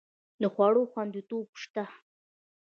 د خوړو خوندیتوب شته؟